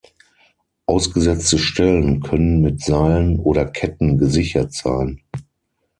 Ausgesetzte Stellen können mit Seilen oder Ketten gesichert sein.